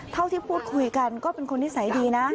เท่าที่พูดคุยกันก็เป็นคนนิสัยดีนะ